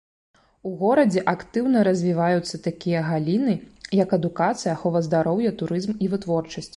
У горадзе актыўна развіваюцца такія галіны, як адукацыя, ахова здароўя, турызм і вытворчасць.